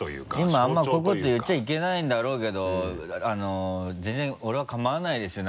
今あんまりこういうこと言っちゃいけないんだろうけど全然俺はかまわないですよ